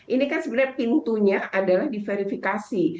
ini kan sebenarnya pintunya adalah diverifikasi